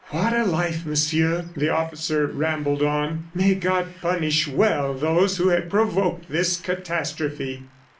"What a life, Monsieur!" the officer rambled on. "May God punish well those who have provoked this catastrophe!"